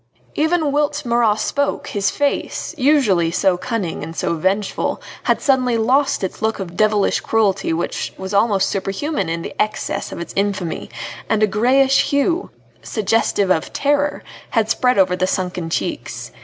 Even whilst Marat spoke his face, usually so cunning and so vengeful, had suddenly lost its look of devilish cruelty which was almost superhuman in the excess of its infamy, and a greyish hue suggestive of terror had spread over the sunken cheeks.